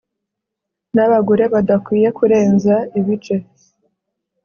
nabagore badakwiye kurenza ibice